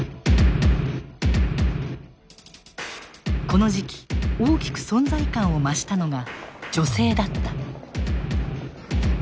この時期大きく存在感を増したのが女性だった。